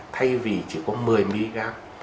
thay vì chỉ có một mươi mg